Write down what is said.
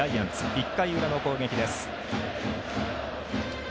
１回裏の攻撃です。